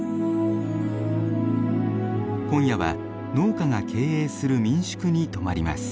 今夜は農家が経営する民宿に泊まります。